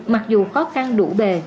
mặc dù khó khăn đủ bề